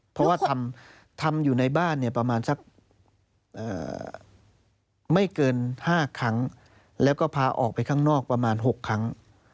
เพราะว่าทำอยู่ในบ้านเนี่ยประมาณสักไม่เกิน๕ครั้งแล้วก็พาออกไปข้างนอกประมาณ๖ครั้ง